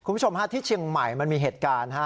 คุณผู้ชมฮะที่เชียงใหม่มันมีเหตุการณ์ฮะ